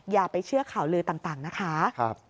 อย่าไปเชื่อข่าวลือต่างนะคะ